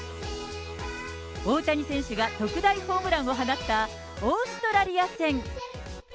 大谷選手が特大ホームランを放ったオーストラリア戦。